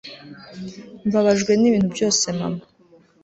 mbabajwe nibintu byose mama